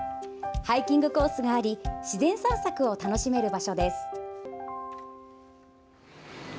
ハイキングコースがあり自然散策を楽しめる場所です。